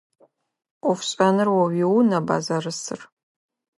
Ӏофшӏэныр о уиунэба зэрысыр?